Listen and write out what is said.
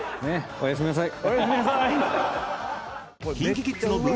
おやすみなさい！